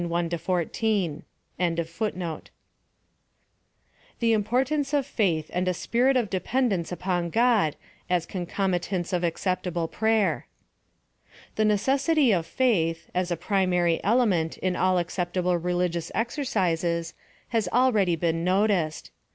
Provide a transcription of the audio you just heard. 226 PHILOSOPHY OP THE The importance of faith and a spirit of depend^ ence upon God as concomitants of acceptable prayer. The necessity of faith, as a primary element in ail acceptable religious exercises has already been no ticed.